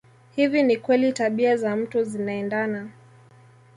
Hivi ni kweli tabia za mtu zinaendana